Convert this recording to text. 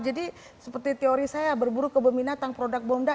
jadi seperti teori saya berburu kebeminatang produk bonda